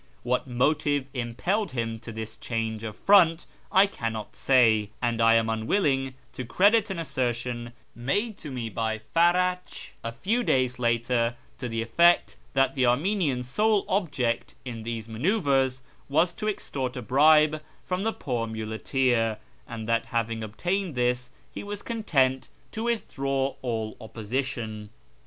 What motive impelled him to this change of front I cannot say, and I am unwilling to credit an assertion made to me by Farach a few days later, to the effect that the Armenian's sole object in these manoeuvres was to extort a bribe from the poor muleteer, and that having obtained this he was content to withdraw all opposition.